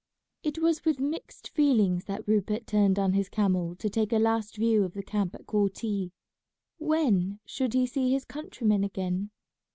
It was with mixed feelings that Rupert turned on his camel to take a last view of the camp at Korti. When should he see his countrymen again?